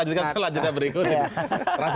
lanjutannya kita lanjutkan selanjutnya berikutnya